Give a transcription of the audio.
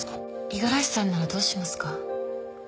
「五十嵐さんならどうしますか？」